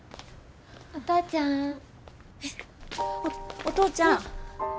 お父ちゃん！